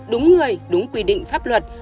đúng người đúng quy định pháp luật